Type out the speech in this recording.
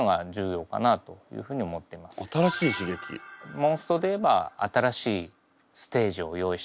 モンストで言えば新しいステージを用意してあげて。